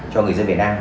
cho người dân việt nam